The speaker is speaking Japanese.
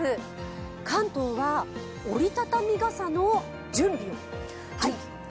関東は折り畳み傘の準備を。